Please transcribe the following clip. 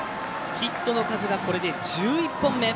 ヒットの数がこれで１１本目。